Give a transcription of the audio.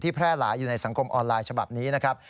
แพร่หลายอยู่ในสังคมออนไลน์ฉบับนี้นะครับ